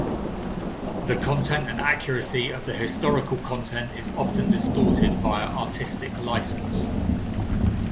The content and accuracy of the historical content is often distorted via artistic license.